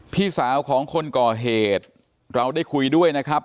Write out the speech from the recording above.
พี่สาวของคนก่อเหตุเราได้คุยด้วยนะครับ